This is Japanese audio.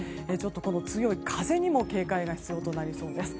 この強い風にも警戒が必要となりそうです。